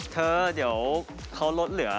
เธอเดี๋ยวเขาลดเหลือ